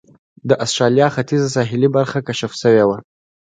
د اسټرالیا ختیځه ساحلي برخه کشف شوې وه.